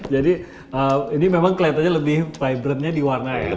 jadi ini memang kelihatannya lebih vibrantnya di warna ya